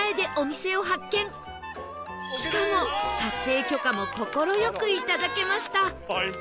しかも撮影許可も快くいただけました